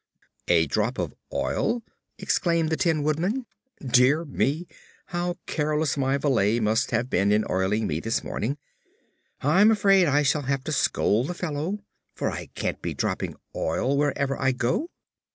"A drop of oil!" exclaimed the Tin Woodman. "Dear me, how careless my valet must have been in oiling me this morning. I'm afraid I shall have to scold the fellow, for I can't be dropping oil wherever I go."